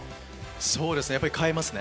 そうですね、変えますね。